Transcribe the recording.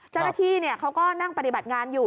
เจ้าหน้าที่เขาก็นั่งปฏิบัติงานอยู่